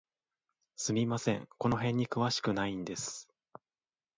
すみません、この辺に詳しくないんです。